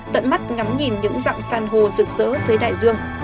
tận mắt ngắm nhìn những dặng sàn hồ rực rỡ dưới đại dương